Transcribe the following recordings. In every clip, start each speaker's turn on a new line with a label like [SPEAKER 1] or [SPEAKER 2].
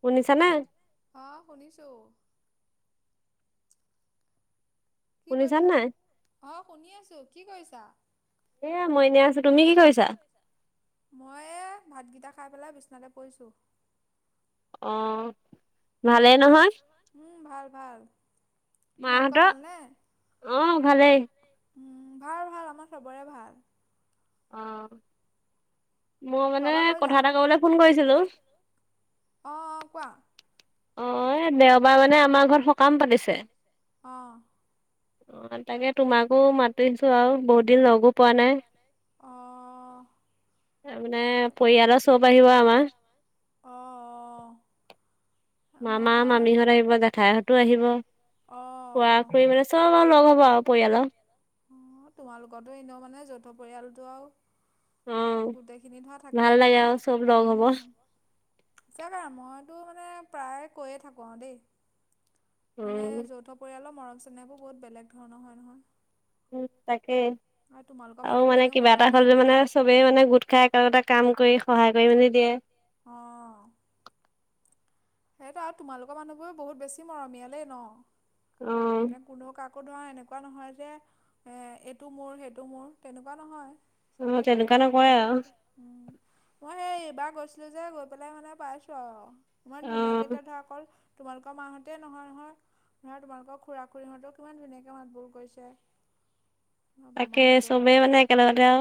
[SPEAKER 1] শুনিছা নে
[SPEAKER 2] হা শুনিছোঁ কি কৰিছা অ শুনি আছোঁ কি কৰিছা
[SPEAKER 1] এ মইএনে আছোঁ
[SPEAKER 2] মই এ ভাতকেইটা খাই পেলাই বিচনাতে পৰিছোঁ
[SPEAKER 1] অহ ভালে নহয়
[SPEAKER 2] উম ভাল ভাল
[SPEAKER 1] মাহঁতৰ অহ ভালেই
[SPEAKER 2] উম ভাল ভাল আমাৰ চবৰে ভাল
[SPEAKER 1] অহ মই মানে কথা এটা কবলে ফোন কৰিছিলোঁ অঁ অ এনে তোমাৰ মানে আমাৰ ঘৰত সকাম পাতিছে অ তাকে তোমাকো মাতিছো আৱ বহুত দিন লগো পোৱা নাই
[SPEAKER 2] অহ
[SPEAKER 1] তাৰ মানে পৰিয়ালৰ চৰো পাতিব আমাৰ মামা মামীহঁত আহিব জেঠাইহঁতো আহিব খোড়া- খুৰী মানে চব আৰু লগ হব আৰু পৰিয়ালৰ
[SPEAKER 2] য়ালতো আৰু গোটেইখিনি ধৰা থাকেই নহয় উম সচাকে মইতো প্ৰায়ে কৈয়ে থাকো আৱ দেই মানে যৌথ পৰিয়ালৰ মৰম চেনাইবোৰ বহুত বেলেগ ধৰণৰ হয় নহয়
[SPEAKER 1] উম তাক কে আৰু মানে কিবা এটা হ'ল যে মানে চবেই মানে গোট খাই একে লগতে কাম কৰি সহায় কৰি মেলি দিয়ে
[SPEAKER 2] সেইটো আৰু তোমালোকৰ মানুহবোৰে বহুত বেছি মৰমীয়ালেই ন মানে কোনো কাক আকৌ ধৰা এনেকুৱা নহয় যে এ এইটো মোৰ সেইটো মোৰ তেনেকুৱা নহয়। চবেই চবকে সমানতে ভাবে মই সেই বাৰ গৈছিলো যে গৈ পেলাই মানে পাইছো আও ইমান ধুনীয়াকে সকল তোমালোকৰ মাহঁতে নহয় নহয় ধৰা তোমালোকৰ খুৰা খুৰীহঁতেও কিমান ধুনীয়াকে মাতবোল কৰিছে
[SPEAKER 1] তাকে চবে মানে একে লগতে আও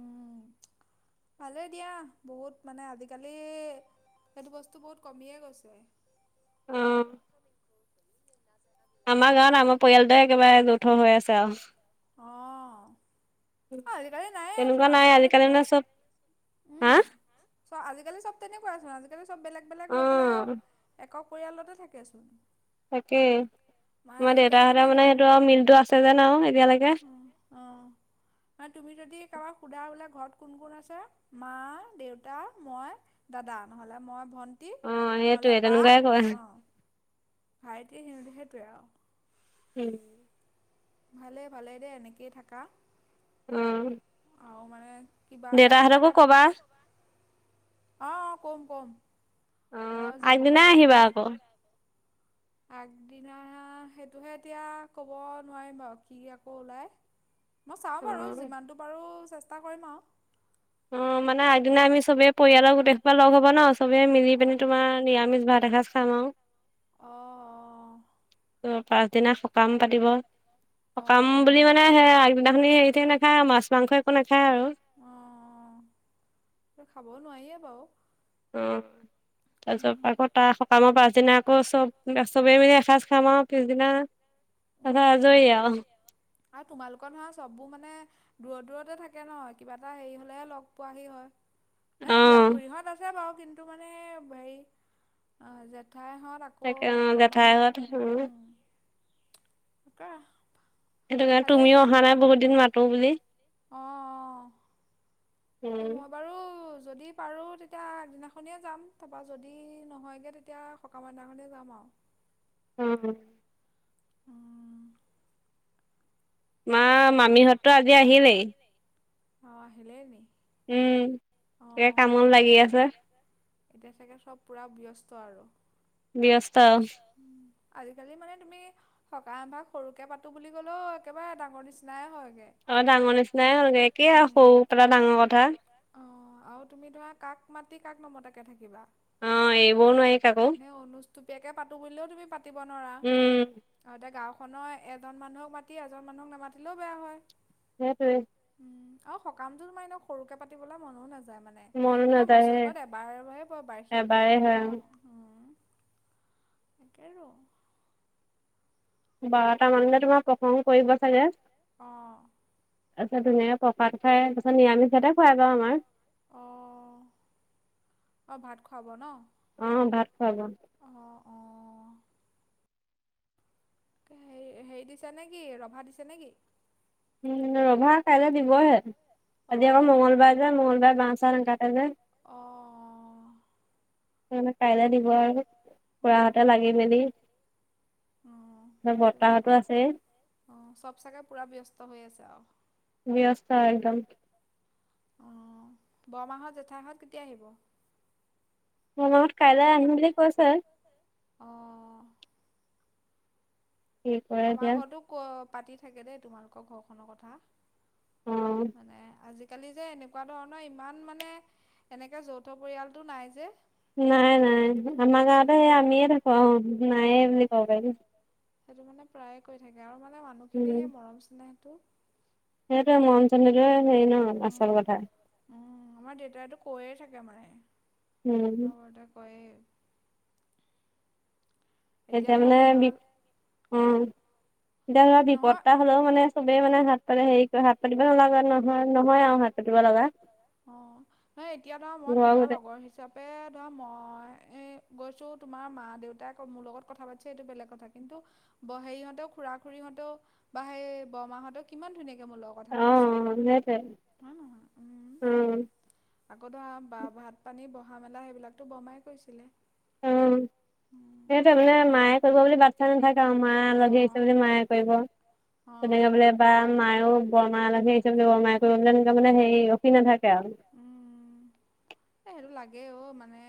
[SPEAKER 2] উম ভালেই দিয়া বহুত মানে আজিকালি সেইটো বস্তু বহুত কমিয়ে গৈছে
[SPEAKER 1] অহ আমাৰ গাঁৱত আমাৰ পৰিয়ালটো একেবাৰে যৌথ হৈ আছে আৰু
[SPEAKER 2] অ আজিকালি নাইয়ে আ চোন আজিকালি তোমাৰ উম চোৱা আজিকালি চব তেনেকুৱা চোন আজিকালি চব বেলেগ বেলেগ হৈ পেলাই আৰু একক পৰিয়ালতে থাকেচোন
[SPEAKER 1] তাকেই আমাৰ দেউতাহঁতৰ মানে সেইটো আৰু মিলটো আছে যে ন এতিয়ালৈকে
[SPEAKER 2] তুমি যদি কাৰোবাক সুধা ঘৰত কোন কোন আছে মা দেউতা মই দাদা নহলে মই ভন্
[SPEAKER 1] অ সেইটোৱে তেনকাই কয়
[SPEAKER 2] ভাইটি সিহতি সেইটোৱে আৰু
[SPEAKER 1] উম
[SPEAKER 2] ভালে ভালে দে এনেকেই থাকা
[SPEAKER 1] অ
[SPEAKER 2] আৰু মানে
[SPEAKER 1] দেতাহতকো কবা
[SPEAKER 2] অ অ কম কম মই যাব পাৰিলেতো বছ আগদিনা সেইটোহে এতিয়া ক'ব নোৱাৰিম বাৰু কি আকৌ ওলাই মই চাও বাৰু যিমানটো পাৰো চেষ্টা কৰিম আও
[SPEAKER 1] অ মানে আগদিনা আমি চবে পৰিয়ালৰ গোটেইসোপা লগ হ'ব ন চবে মিলি পিনি তোমাৰ নিৰামিষ ভাত এসাজ খাম আও।
[SPEAKER 2] আহ অ।
[SPEAKER 1] ত পাছদিনা সকাম পাতিব সকাম বুলি মানে সেই আগদিনাখনি তেনেকা মাছ মাংস একো নে খাই আৰু।
[SPEAKER 2] খাবও নোৱাৰিয়ে বাৰু।
[SPEAKER 1] অ। তাৰপিছত আকৌ তাৰ সকামৰ পাছদিনা আকৌ চব চবেই মিলি এসাঁজ খাম আও। পিছদিনা তাৰপৰা আজৰি আও।
[SPEAKER 2] আৰু তোমালোকৰ নহয় চববোৰ মানে দূৰত দূৰতে থাকে ন। কিবা এটা হেৰি হলেহে লগ পোৱাহি হয়। মে খুৰা খুৰীহঁত আছে বাৰু। কিন্তু মানে [inaudible] ঠাই হত আকৌ বৰমাহত [inaudible]
[SPEAKER 1] সেইটো কাৰণে তুমিও অহা নাই বহুত দিন মাতো বুলি।
[SPEAKER 2] আহ অ। মই বাৰু যদি পাৰোঁ তেতিয়া আগদিনাখনিয় যাম। তাৰপৰা যদি নহয়গে তেতিয়া সকাম দিনাখনে যাম আও।
[SPEAKER 1] উম্ উম।
[SPEAKER 2] আহ।
[SPEAKER 1] মা মামিহঁত আজি আহিলেই।
[SPEAKER 2] অ আহ আহিলে নি?
[SPEAKER 1] উম। [unintelligible] কামত লাগি আছে
[SPEAKER 2] এতিয়া চাগে চব পুৰা ব্যস্ত আৰু।
[SPEAKER 1] ব্যস্ত।
[SPEAKER 2] আজিকালি মানে তুমি সকাম এভাগ সৰুকে পাতো বুলি ক'লেও একেবাৰে ডাঙৰ নিচিনাই হয়।
[SPEAKER 1] অ ডাঙৰ নিচিনাই একেই আৰু সৰু এটা ডাঙৰ কথা।
[SPEAKER 2] অঁ আৰু তুমি ধৰা কাক মাটি কাক নমতাকে থাকিবা।
[SPEAKER 1] অ এৰিবও নোৱাৰি কাকো।
[SPEAKER 2] [unintelligible] পাতো বুলিলেও তুমি পাত নোৱাৰ আৰু গ খনৰ এজন মানুহক মাতি এজন মানুহক নামাতিলেও বেয়া হয়।
[SPEAKER 1] সেইটোৱে।
[SPEAKER 2] আৰু সকামতো তোমাৰ এনে সৰুকে পা পাতিবলে মনো নাযায়। মানে ন বছৰেকত এবাৰ ব ব বাৰ্ষিক তিথিটো ন উম। একেই আৰু
[SPEAKER 1] বাৰটা মান যে তোমাৰ প্ৰসংগ কৰিব চাগে
[SPEAKER 2] অঁ
[SPEAKER 1] তাৰপিছত ধুনীয়া প্ৰখাদ খাই তাৰপিছত নিৰামিষতে খুৱাই বাৰু আমাৰ
[SPEAKER 2] অ ভাত খুৱাব ন
[SPEAKER 1] অ ভাত খোৱাব
[SPEAKER 2] হে হেৰি দিছা নে কি ৰভা দিছে নে কি
[SPEAKER 1] উম ৰভা কাইলৈ দিবহে আজি আকৌ মঙল বাৰ যে মঙল বাৰে বাহ চাহ নাকাটে যে তেনেহলে কাইলৈ দিব আৰু
[SPEAKER 2] চব চাগে পুৰা ব্যস্ত হৈ আছে
[SPEAKER 1] ব্যস্ত একদম
[SPEAKER 2] আহ বৰমাহঁত জেঠাই হত কেতিয়া আহিব
[SPEAKER 1] বৰমা হত কাইলৈ আহিম বুলি কৈছে
[SPEAKER 2] অঁ আমাৰ ঘৰতো কথা পাতি থাকে দেই তোমালোকৰ ঘৰখনৰ কথা মানে আজি আজিকালি যে এনেকুৱা ধৰণৰ ইমান মানে এনেকৈ যৌথ পৰিয়ালটো নাই যে
[SPEAKER 1] নাই নাই আমাৰ গাঁৱতে আমিয়ে থাকো নায়েই বুলি কব পাৰি
[SPEAKER 2] সেইটো মানে প্ৰায়েই কৈ থাকে আৰু মানে মানুহখিনি সে মৰম চেনেহ টো উ উম আমাৰ দেউতাইটো কৈয়ে থাকে মানে নৱৌৱেটো কৈয়ে
[SPEAKER 1] এতিয়া মানে বি উম এতিয়া ধৰা বিপদ এটা হলেও মানে চবেই মানে হাত তাতে হেৰি হাত পাতিব নলা নহয় নহয় আৰু হাত পাতিব লগা
[SPEAKER 2] অ এতিয়া ধৰা মই তোমাৰ লগৰ হিচাপে ধৰা মই এ গৈছো তোমাৰ মা দেউতাক মোৰ লগত কথা পাতিছে এইটো বেলেগ কথা কিন্তু হেৰিহঁতেও খুৰা খুৰীহঁতেও বা সেই বৰমাহঁতেও কিমান ধুনীয়াকৈ মোৰ লগত কথা পাতিছে হয় নহয় উম আকৌ ধৰা ভাত পানী খোৱা অহা মেলা সেইবিলাকতো বৰমাই কৈছিলে
[SPEAKER 1] উ সেইটোৱেই মানে মায়ে কৰিব বুলি [inaudible] মা লাগি আহিছে বুলি মায়ে কৰিব তেনেকে বোলে এইবাৰ মায়ও বৰ মায়ে লাগি আহিছে বুলি এইবাৰ মাই কৰিব মানে এনেকুৱা মানে হেৰি ৰখি নাথক [inaudible]
[SPEAKER 2] সেইটো লাগে অ মানে মানে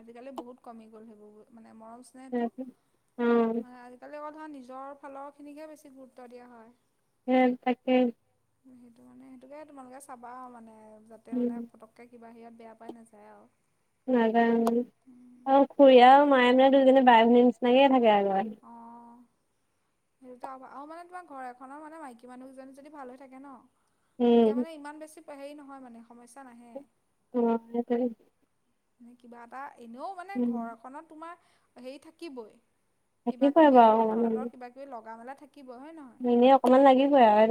[SPEAKER 2] আজিকালি বহুত কমি গ'ল সেইবোৰ মানে মৰম চেনেহটো মানে আজিকালি অকল নিজৰ ফালৰখিনিকে বেছি গুৰুত্ব দিয়া হয়।
[SPEAKER 1] উ তাকে।
[SPEAKER 2] সেইটো মানে সেইটোকে তোমালোকে চাবা আৰু মানে যাতে মানে পটককে কিবা বাহিৰত বেয়া পাই নাযায় আৰু।
[SPEAKER 1] নাজানে আৰু খুৰি আৰু মায়ে ন দুইজনি বাই ভনী নিচিনা [inaudible] [unintelligible]
[SPEAKER 2] সেইটো আৰু মানে তোমাৰ ঘৰ এখনৰ মানে মাইকী মানুহ এজননে যদি ভাল হৈ থাকে ন তেতিয়া মানে ইমান বেছি হেৰি নহয় মানে
[SPEAKER 1] অ [unintelligible]
[SPEAKER 2] নে কিবা এটা এনেও মানে ঘৰ এখনত তোমাৰ সেই থাকিবই। কিবা কিবি এইবোৰ অথন্তৰ কিবা কিবি লগা মেলা থাকিব হয় নহয়।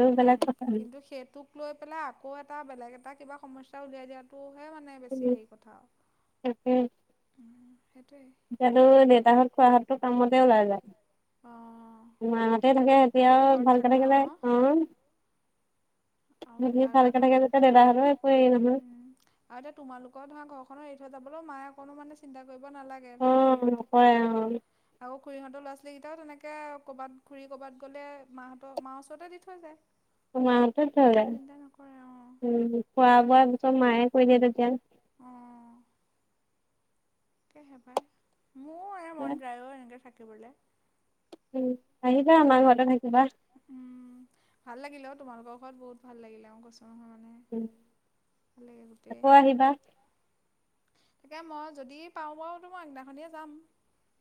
[SPEAKER 2] উম কিন্তু সেইটোক লৈ পেলাই আকৌ এটা বেলেগ এটা কিবা সমস্যা উলিয়াই দিয়াতো হলেহে মানে বেছি হেৰি কথা আৰু।
[SPEAKER 1] তাকেই এতিয়াতো দেউতাহঁত খোৱা হওঁত কামতে ওলাই যায়। মাহতে থাকে। এয়া ভালকে থাকিলে হল উম।
[SPEAKER 2] আৰু কিবা এটা ধৰা [unintelligible] উম আৰু এতিয়া তোমালোকৰ ধৰা ঘৰখনৰ এই থ যাবলৈ মায় অকমানে চিন্তা কৰিব নালাগে, ধৰা খুুৰীহত থাকিব খুৰীহত, আও খুৰীহঁতৰ ল'ৰা ছোৱালীকেইটাও তেনেকে ক'ৰবাত খূৰি ক'ৰবাত গ'লে মাহঁতৰ মাৰ ওচৰতে দি থৈ যায়।
[SPEAKER 1] [unintelligible] তই থলে উ খোৱা বোৱাবো- চব মায়ে কৈ দিয়ে তেতিয়া।
[SPEAKER 2] অহ। কে হে পাই। মোৰ এ মন যায় এনেকে থাক থাকিবলে।
[SPEAKER 1] উম। আহিবা আমাৰ ঘৰতে থাকিবা।
[SPEAKER 2] তোমালোকৰ ঘৰত বহুত ভাল লাগিলে।
[SPEAKER 1] আকৌ আহিবা।
[SPEAKER 2] তাকে মই যদি পাওঁ বাও তো মই আগদিনা খনিয়ে যাম।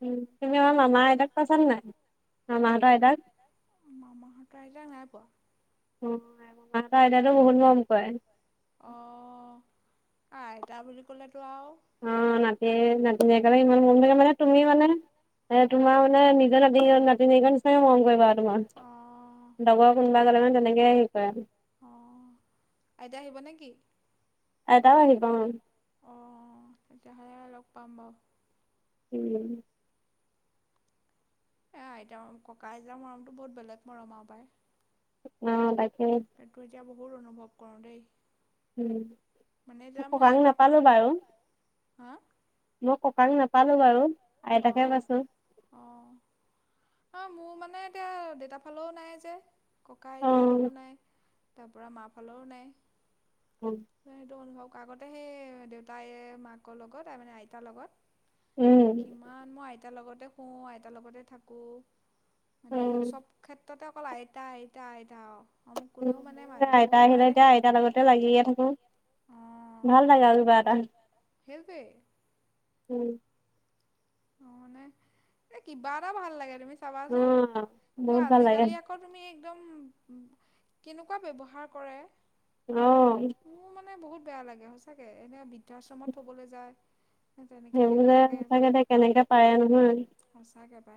[SPEAKER 1] উম, তুমি মামা আইতাক পাইছা নাই। অ, মামা হতক আইতাক
[SPEAKER 2] মামাহঁতৰ আহিলে নাই পোৱা।
[SPEAKER 1] মই মামাহঁতৰ আইতো বহুত মম কৰে।
[SPEAKER 2] আহ' আইতা বুলি কলে
[SPEAKER 1] অ নাতি-নাতিনীয়েকসকলৰ ইমান মৰম থাকে মানে তুমি মানে এ, তোমাৰ মানে নিজৰ নাতি নাতি নিয়েৰৰ নিচিনা মৰম কৰিবা আৰ। তমান লগৰ কোনোবা গ'লে মানে তেনেকে হেৰি কৰে আৰু। আইতা আহিব অহ।
[SPEAKER 2] অ লগ পাম বাওঁ।
[SPEAKER 1] উম।
[SPEAKER 2] এ আইতা ৰ ককা-আইতাৰ মৰমতটো বহুত বেলেগ মৰম আৰু পায়।
[SPEAKER 1] অ' তাক।
[SPEAKER 2] এইটো যাব বৰ অনুভৱ কৰো দেই।
[SPEAKER 1] উম মো গাং নাপালো বাৰু।
[SPEAKER 2] হা।
[SPEAKER 1] মোৰ কপাল নাপালো বাৰু। আইতাকে খাই কৈছোঁ।
[SPEAKER 2] অ' মোৰ মানে এতিয়া, দেতাৰ ফালেও নাই যে। ককা-আইতা এজনো নাই। তাৰপৰা মা ফালৰো নাই। ন [unintelligible] আগতে সেই দেউতাই মাকৰ লগত, তাৰমানে আইতাৰ লগত কিমান মই আইতাৰ লগত শুও, আইতাৰ লগতে থাকোঁ। মানে চব ক্ষেত্ৰ মুঠতে অকল আইতা-আইতা-আইতা আও।
[SPEAKER 1] উম, মোৰ আইতা আহিলে এতিয়া আইতাৰ লগতে লাগিয়ে থাকোঁ। ভাল লাগে আৰু কিবা এটা। উম!
[SPEAKER 2] অঁ! মানে এ কিবা এটা ভাল লাগে তুমি চাবাচোন, কিন্তু আজিকালি আকৌ তুমি একদম কেনেকুৱা ব্যৱহাৰ কৰে।
[SPEAKER 1] উম!
[SPEAKER 2] মানে বহুত বেয়া লাগে সচাকে এনে বৃদ্ধাশ্ৰমত থবলৈ যায় তেনেকে কেনেকুৱাকে [unintelligible]
[SPEAKER 1] কেনেকে পাৰে নহয়।
[SPEAKER 2] বা [unintelligible]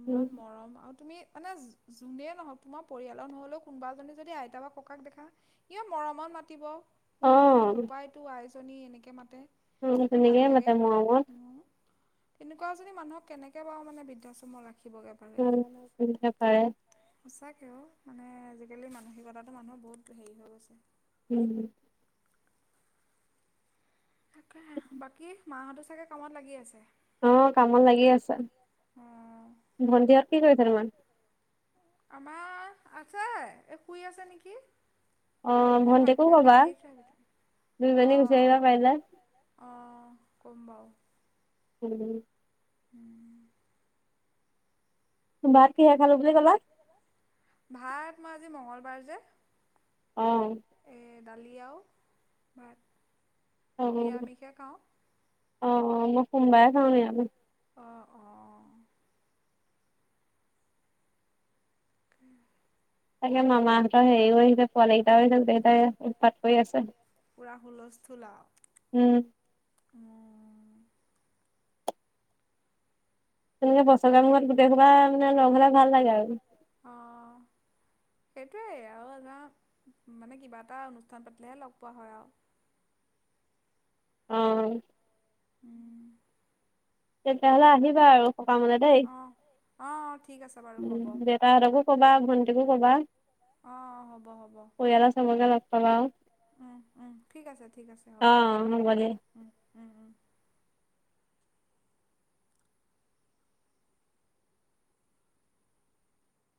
[SPEAKER 2] ইমান মৰম আৰু তুমি মানে যোনে নহওক তোমাৰ পৰিয়ালৰ নহলেও কোনোবা জনে যদি আইতা বা ককাক দেখা কিমান মৰমত মাতিব। সোণটো, বোপাইতো, আইজনী জনী এনেকে মাতে।
[SPEAKER 1] উম! তেনেকে মাতে মৰমত।
[SPEAKER 2] তেনেকুৱা এজনী মানুহক কেনেকে বাৰু মানে বৃদ্ধাশ্ৰম ৰাখ
[SPEAKER 1] উম! কেনেকে পাৰে?
[SPEAKER 2] সঁচাকে অও মানে আজিকালি মানসিকতাটো মানুহৰ বহুত হেৰি হৈ গৈছে।
[SPEAKER 1] হুম! [inaudible]
[SPEAKER 2] তাকে! বাকী মাহঁতো চাগে কামত লাগি আছে?
[SPEAKER 1] অঁ কামত লাগি আছে। ভন্টিহঁত কি কৰিছে? [unintelligible] মান
[SPEAKER 2] আমাৰ আছে এ শুই আছে নেকি। ময়ো ভাতকিতা খাই আহিছোঁ হে আহ! আহ! কম বাওঁ।
[SPEAKER 1] উম!
[SPEAKER 2] উম! [inaudible]
[SPEAKER 1] ভাত কিহে খালো বুলি ক'লা
[SPEAKER 2] ভাত মই আজি মঙ্গলবাৰ যে
[SPEAKER 1] আহ
[SPEAKER 2] দালি আও ভাত নিৰামিষে খাওঁ
[SPEAKER 1] অ মই সোমবাই খাওঁ নিৰামিষ
[SPEAKER 2] উম
[SPEAKER 1] তাকে মামাহঁতৰ হেৰিও আহিছে পোৱালি কেইটাও দেতাই উতপাত কৰি আছে।
[SPEAKER 2] পুৰা হুলস্থলাও। মোৰ
[SPEAKER 1] তেনেকে বছৰেকৰ মুৰত গোটেই সোপা মানে লগ হলে ভাল লাগে আৰু
[SPEAKER 2] সেইটোৱেই আৰু এৰা মানে কিবা এটা অনুষ্ঠান পাৰিলেহে লগ পোৱা হয় আৰু
[SPEAKER 1] অ তেতিয়াহলে আহিবা আৰু
[SPEAKER 2] অ অ অ ঠিক আছে বাৰু হ'ব।
[SPEAKER 1] কবা ভণ্টিকো কবা পৰিয়ালৰ সবকে কবা আৱ
[SPEAKER 2] উম উম ঠিক আছে ঠিক আছে হ'ব বাৰু উম উম উম